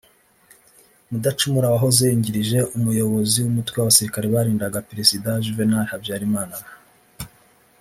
Mudacumura wahoze yungirije Umuyobozi w’Umutwe w’abasirikare barindaga Perezida Juvenal Habyarimana